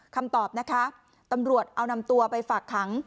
คำตอบนะคะตำรวจเอานำตัวไปฝากขัง